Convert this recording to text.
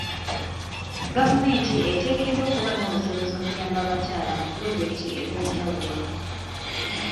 Gavumenti eteekeddwa okuba n'obusobozi okuyamba abakyala mu pulojekiti ez'enjawulo.